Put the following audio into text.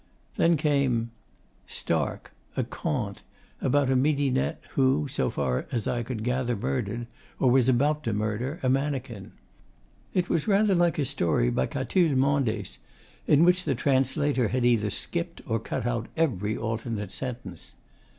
Then came 'Stark: A Conte,' about a midinette who, so far as I could gather, murdered, or was about to murder, a mannequin. It was rather like a story by Catulle Mendes in which the translator had either skipped or cut out every alternate sentence.